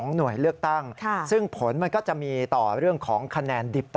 หน่วยเลือกตั้งซึ่งผลมันก็จะมีต่อเรื่องของคะแนนดิบต่อ